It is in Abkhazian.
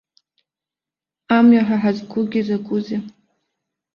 Амҩа ҳәа ҳазқәугьы закәызеи.